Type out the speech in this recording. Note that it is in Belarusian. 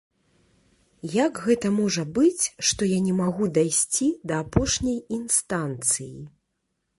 Як гэта можа быць, што я не магу дайсці да апошняй інстанцыі?